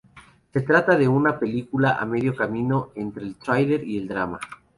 Se trata de una película a medio camino entre el thriller y el drama.